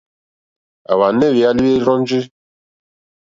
À hwànɛ́ hwɛ̀álí hwɛ́ rzɔ́njì.